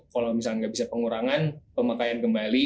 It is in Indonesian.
kalau misalkan gak bisa pengurangan pemakaian kembali